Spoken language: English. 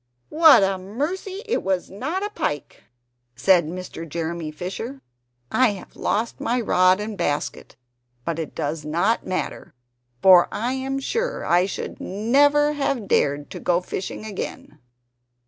"What a mercy that was not a pike!" said Mr. Jeremy Fisher. "I have lost my rod and basket; but it does not much matter, for I am sure I should never have dared to go fishing again!"